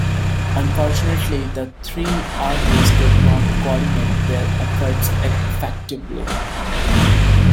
Unfortunately, the three armies could not coordinate their efforts effectively.